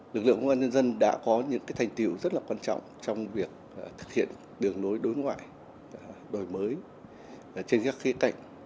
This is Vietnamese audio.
lực lượng công an nhân dân đã có những thành tiệu rất là quan trọng trong việc thực hiện đường lối đối ngoại đổi mới trên các khía cạnh